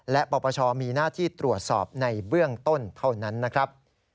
และปปชมีหน้าที่ตรวจสอบในเบื้องต้นเท่านั้นนะครับ